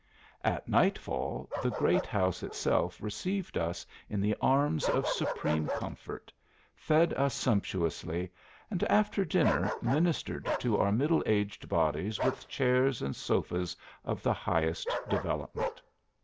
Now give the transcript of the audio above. At nightfall, the great house itself received us in the arms of supreme comfort, fed us sumptuously, and after dinner ministered to our middle aged bodies with chairs and sofas of the highest development.